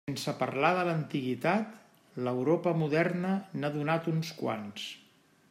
Sense parlar de l'antiguitat, l'Europa moderna n'ha donat uns quants.